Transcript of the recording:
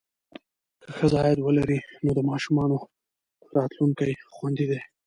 که ښځه عاید ولري، نو د ماشومانو راتلونکی خوندي دی.